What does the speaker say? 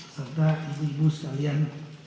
serta ibu ibu sekalian